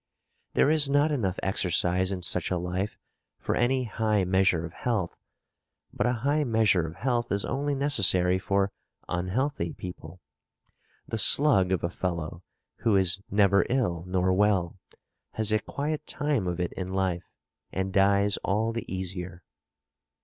There is not enough exercise in such a life for any high measure of health; but a high measure of health is only necessary for unhealthy people. The slug of a fellow, who is never ill nor well, has a quiet time of it in life, and dies all the easier.